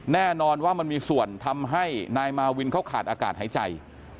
แน่นอนว่ามันมีส่วนทำให้นายมาวินเขาขาดอากาศหายใจ